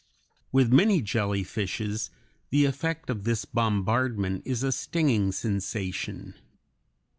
With many jellyfishes the effect of this bombardment is a stinging sensation.